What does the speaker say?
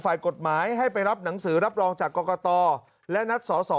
ฝ่ายกฎหมายให้ไปรับหนังสือรับรองจากกรกตและนัดสอสอ